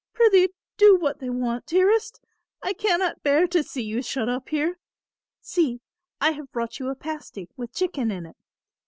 Prithee do what they want, dearest. I cannot bear to see you shut up here. See, I have brought you a pasty with chicken in it.